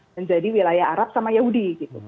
menjadi wilayah arab sama yahudi